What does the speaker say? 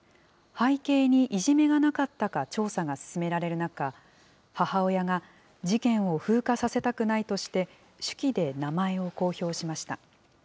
背景にいじめがなかったか調査が進められる中、母親が事件を風化させたくないとして、手記で名前を公表しました。